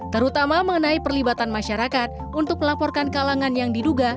terutama mengenai perlibatan masyarakat untuk melaporkan kalangan yang diduga